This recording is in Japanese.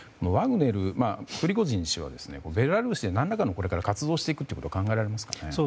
プリゴジン氏はベラルーシで何らかの活動をしていくことは考えられますか？